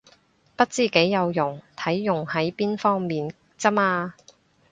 不知幾有用，睇用喺邊方面咋嘛